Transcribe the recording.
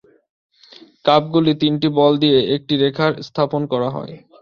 কাপগুলি তিনটি বল দিয়ে একটি রেখায় স্থাপন করা হয়।